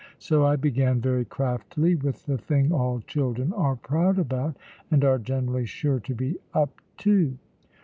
So I began, very craftily, with the thing all children are proud about, and are generally sure to be up to.